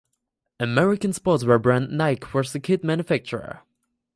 American sportswear brand Nike was the kit manufacturer.